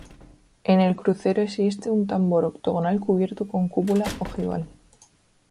En el crucero existe un tambor octogonal cubierto con cúpula ojival.